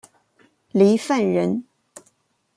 郦范人。